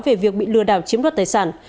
về việc bị lừa đảo chiếm đoạt tài sản